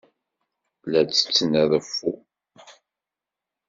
La ttetten aḍeffu.